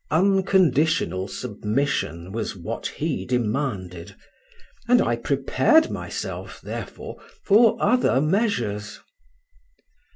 Unconditional submission was what he demanded, and I prepared myself, therefore, for other measures.